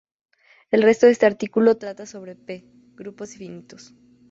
El resto de este artículo trata sobre "p"-grupos finitos.